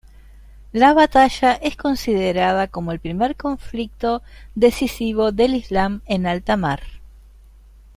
La batalla es considerada como ""el primer conflicto decisivo del Islam en alta mar.